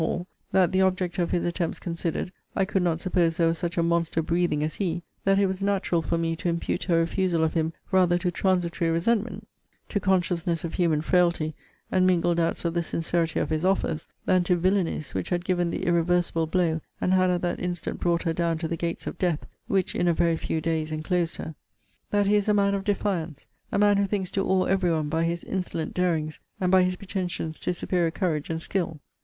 Hall: that, the object of his attempts considered, I could not suppose there was such a monster breathing as he: that it was natural for me to impute her refusal of him rather to transitory resentment, to consciousness of human frailty, and mingled doubts of the sincerity of his offers, than to villanies, which had given the irreversible blow, and had at that instant brought her down to the gates of death, which in a very few days enclosed her. That he is a man of defiance: a man who thinks to awe every one by his insolent darings, and by his pretensions to superior courage and skill.